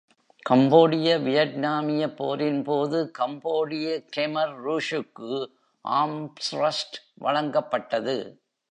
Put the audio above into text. கம்போடிய-வியட்நாமியப் போரின்போது, கம்போடிய கெமர் ரூஜுக்கு ஆம்ப்ரஸ்ட் வழங்கப்பட்டது.